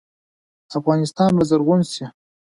افغانستان به زرغون شي.